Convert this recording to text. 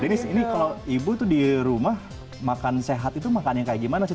deniz ini kalau ibu tuh di rumah makan sehat itu makan yang kayak gimana sih